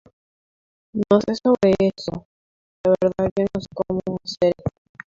Los dos son parte de la cuarta generación de la gama Lumia.